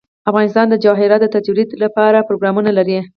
افغانستان د جواهرات د ترویج لپاره پروګرامونه لري.